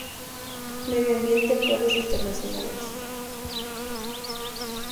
Medio ambiente– acuerdos internacionales:.